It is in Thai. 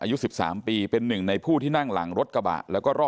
อืม